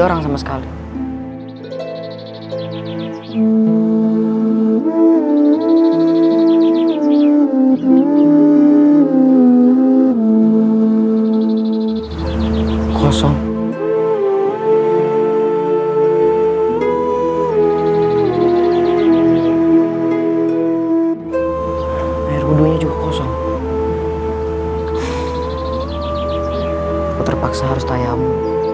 aku terpaksa harus tanyamu